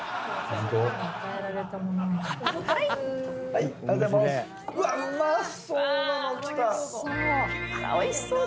あおいしそう！